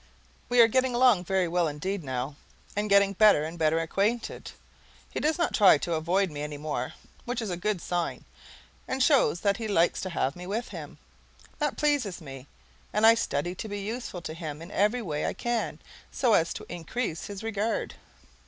We are getting along very well indeed, now, and getting better and better acquainted. He does not try to avoid me any more, which is a good sign, and shows that he likes to have me with him. That pleases me, and I study to be useful to him in every way I can, so as to increase his regard.